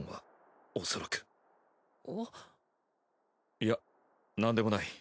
いやなんでもない。